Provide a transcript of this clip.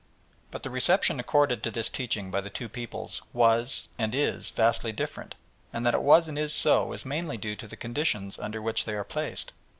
But the reception accorded to this teaching by the two peoples was, and is, vastly different, and that it was and is so is mainly due to the conditions under which they are placed.